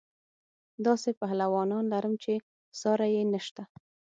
داسې پهلوانان لرم چې ساری یې نشته.